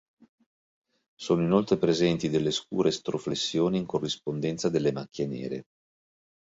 Sono inoltre presenti delle scure estroflessioni in corrispondenza delle macchie nere.